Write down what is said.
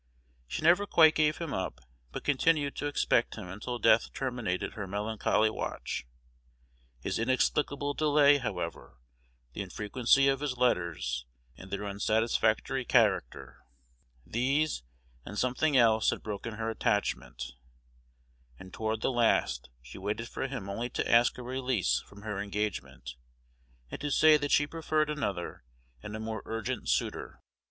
She never quite gave him up, but continued to expect him until death terminated her melancholy watch. His inexplicable delay, however, the infrequency of his letters, and their unsatisfactory character, these and something else had broken her attachment, and toward the last she waited for him only to ask a release from her engagement, and to say that she preferred another and a more urgent suitor.